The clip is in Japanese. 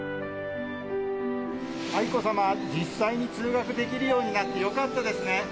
愛子さま、実際に通学できるようになってよかったですね。